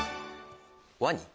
ワニ。